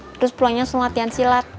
terus pulangnya seluat liat silat